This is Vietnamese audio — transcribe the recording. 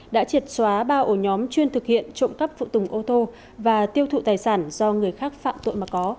đã triệt xóa ba ổ nhóm chuyên thực hiện trộm cắp phụ tùng ô tô và tiêu thụ tài sản do người khác phạm tội mà có